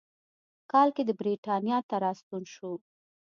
کال کې د برېټانیا ته راستون شو.